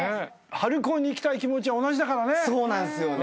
春高に行きたい気持ちは同じだからね。